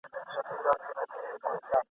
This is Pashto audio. له ټوټو بشپړ بلوړ کله جوړیږي ..